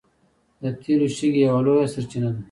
د تیلو شګې یوه لویه سرچینه ده.